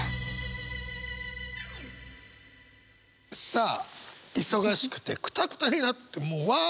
さあ忙しくてクタクタになってもうわ。